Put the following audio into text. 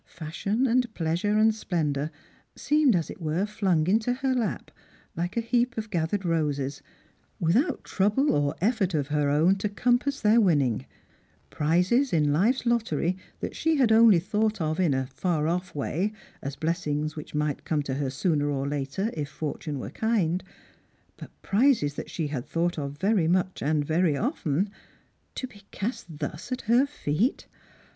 ashion and pleasure and splendour, seemed, as it were, flung ■iito her lap, like a heap of gathered roses, without trouble ot effort of her own to compass their winning; prizes in life'slot tery that she had only thought of in a far off' way, as blessings which might come to her sooner or later, if fortune were kind — but prizes that she had thought of very much and very often — to be cast thus at her feet